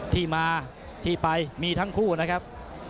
ที่มาที่ไปมีทั้งคู่นะครับ